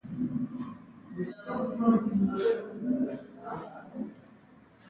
د ایلیسټریټر ویکتور کارونه په هر اندازه روښانه وي.